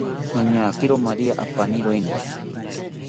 Noñakiro maria apaniroeni